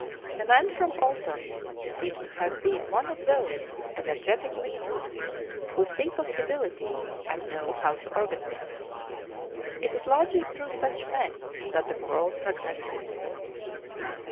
The man from Autun seems to have been one of those energetic leaders who see possibilities and know how to organize. It is largely through such men that the world progresses.